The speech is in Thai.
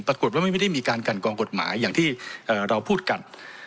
ปรากฏว่าไม่ได้มีการกันกองกฎหมายอย่างที่เราพูดกัน